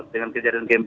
dengan kejadian g empat